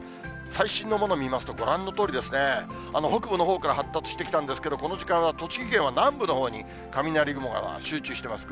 最新のものを見ますと、ご覧のとおりですね、北部のほうから発達してきたんですけれども、この時間は栃木県は南部のほうに、雷雲が集中しています。